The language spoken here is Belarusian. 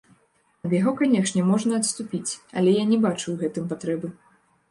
Ад яго, канешне, можна адступіць, але я не бачу ў гэтым патрэбы.